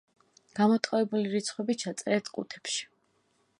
გამოტოვებული რიცხვები ჩაწერეთ ყუთებში.